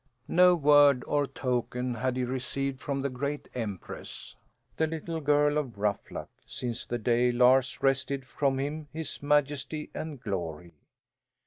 No word or token had he received from the great Empress, the little girl of Ruffluck, since the day Lars wrested from him his majesty and glory.